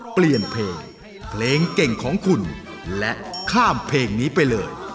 เปลี่ยนเพลงเพลงเก่งของคุณและข้ามเพลงนี้ไปเลย